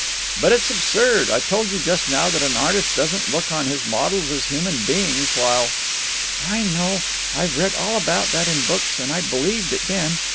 "But it's absurd. I told you just now that an artist doesn't look on his models as human beings while——" "I know. I've read all about that in books, and I believed it then.